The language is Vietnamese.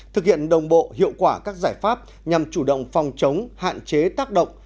thực hiện đồng bộ hiệu quả các giải pháp nhằm chủ động phòng chống hạn chế tác động